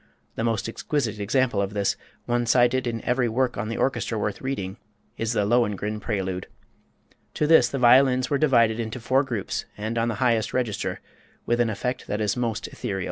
The most exquisite example of this, one cited in every work on the orchestra worth reading, is the "Lohengrin" prelude. To this the violins are divided into four groups and on the highest register, with an effect that is most ethereal.